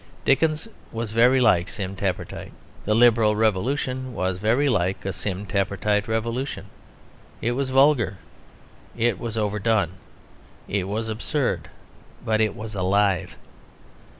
Dickens was very like Sim Tappertit. The Liberal Revolution was very like a Sim Tappertit revolution. It was vulgar, it was overdone, it was absurd, but it was alive.